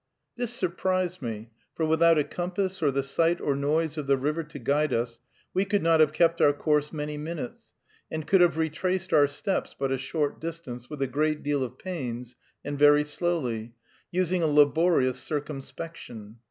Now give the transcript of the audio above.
This surprised me; for without a compass, or the sight or noise of the river to guide us, we could not have kept our course many minutes, and could have retraced our steps but a short distance, with a great deal of pains and very slowly, using a laborious circumspection.